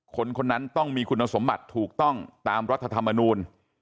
คนคนนั้นต้องมีคุณสมบัติถูกต้องตามรัฐธรรมนูล